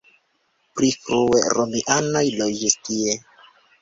Pri frue romianoj loĝis tie.